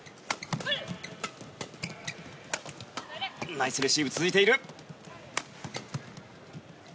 ナイスレシーブが続いている。